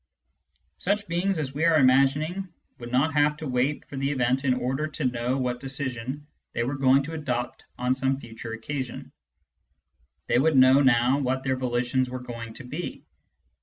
Such beings as we are imagining would not have to wait for the event in order to know what decision they were going to adopt on some futiu e occasion. They would know now what their volitions were going to be.